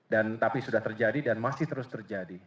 dan tapi sudah terjadi dan masih terus terjadi